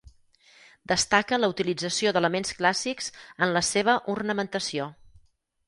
Destaca la utilització d'elements clàssics en la seva ornamentació.